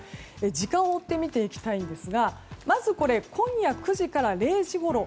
時間を追って見ていきたいんですがまず今夜９時から０時ごろ。